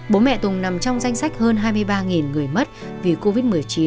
bố mẹ tùng nằm trong danh sách hơn hai mươi ba người mất vì covid một mươi chín